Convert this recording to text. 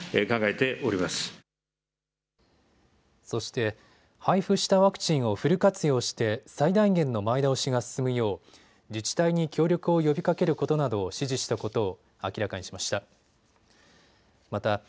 そして、配布したワクチンをフル活用して最大限の前倒しが進むよう自治体に協力を呼びかけることなどを指示したことを明らかにしました。